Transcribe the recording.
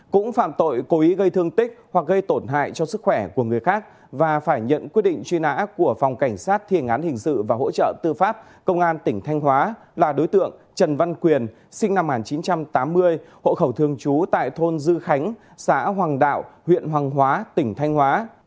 cũng phạm tội cố ý gây thương tích hoặc gây tổn hại cho sức khỏe của người khác và phải nhận quyết định truy nã của phòng cảnh sát thiên án hình sự và hỗ trợ tư pháp công an tỉnh thanh hóa là đối tượng trần văn quyền sinh năm một nghìn chín trăm tám mươi hộ khẩu thường trú tại thôn dư khánh xã hoàng đạo huyện hoàng hóa tỉnh thanh hóa